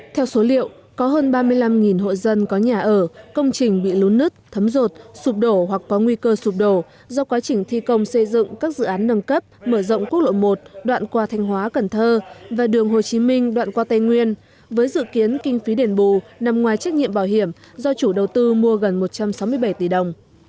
theo số liệu có hơn ba mươi năm hội dân có nhà ở công trình bị lún nứt thấm rột sụp đổ hoặc có nguy cơ sụp đổ do quá trình thi công xây dựng các dự án nâng cấp mở rộng quốc lộ một đoạn qua thanh hóa cần thơ và đường hồ chí minh đoạn qua tây nguyên với dự kiến kinh phí đền bù nằm ngoài trách nhiệm bảo hiểm do chủ đầu tư mua gần một trăm sáu mươi bảy tỷ đồng